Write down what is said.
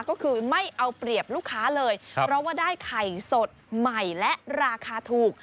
ก็คือไม่เอาเปรียบลูกค้าเลยเพราะว่าได้ไข่สดใหม่และราคาถูก